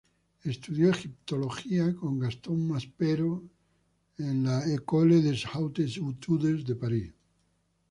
Estudió egiptología con Gaston Maspero en la "École des Hautes Études" de París.